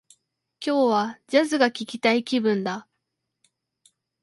今日は、ジャズが聞きたい気分だ